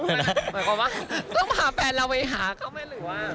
หมายความว่าต้องพาแฟนเราไปหาเขาไหมหรือว่า